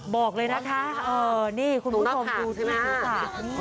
บอกเลยนะคะคุณผู้ชมดูดูค่ะ